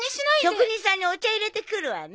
職人さんにお茶入れてくるわね。